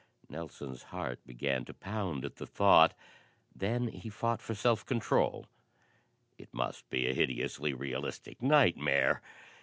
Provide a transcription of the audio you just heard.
Nelson's heart began to pound at the thought. Then he fought for self control. It must be a hideously realistic nightmare!